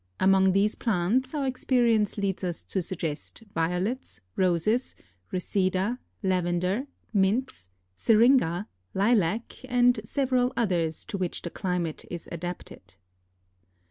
Among these plants our experience leads us to suggest violets, roses, reseda, lavender, mints, syringa, lilac, and several others to which the climate is adapted.